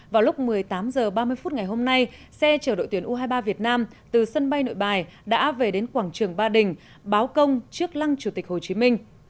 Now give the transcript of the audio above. vào lúc một mươi tám h ba mươi phút ngày hôm nay xe chở đội tuyển u hai mươi ba việt nam từ sân bay nội bài đã về đến quảng trường ba đình báo công trước lăng chủ tịch hồ chí minh